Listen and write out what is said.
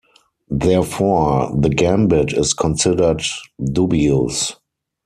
Therefore, the gambit is considered dubious.